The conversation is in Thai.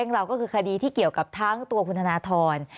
เราก็คือคดีที่เกี่ยวกับทั้งตัวคุณธนทร